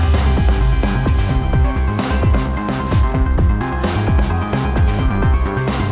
สวัสดีครับ